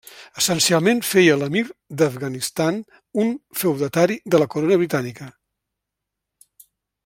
Essencialment feia l'emir d'Afganistan un feudatari de la Corona Britànica.